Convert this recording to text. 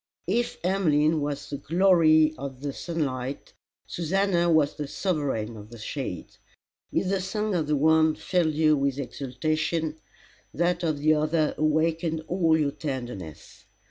If Emmeline was the glory of the sunlight Susannah was the sovereign of the shade. If the song of the one filled you with exultation, that of the other awakened all your tenderness.